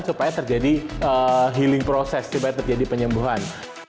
supaya terjadi healing proses supaya terjadi penyembuhan